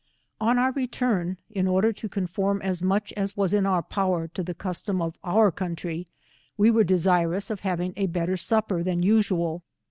On our return, in order to conform as much as was in our power to the custom of our country, we were desirous of having a better snpper than 122 asaal.